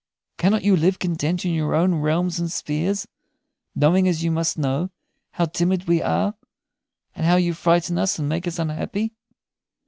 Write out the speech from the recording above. Cannot you live content in your own realms and spheres, knowing, as you must know, how timid we are, and how you frighten us and make us unhappy?